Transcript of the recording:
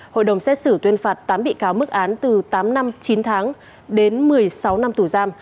hội đồng xét xử tuyên phạt tám bị cáo mức án từ tám năm chín tháng đến một mươi sáu năm tù giam